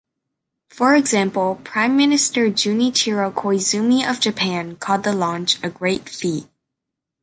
For example, Prime Minister Junichiro Koizumi of Japan called the launch "a great feat".